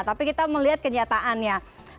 tapi kita melihat kenyataannya